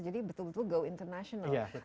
jadi betul betul go international